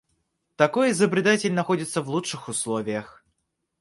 Такой изобретатель находится в лучших условиях.